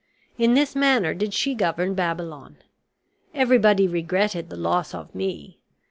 In this manner did she govern Babylon. Everybody regretted the loss of me.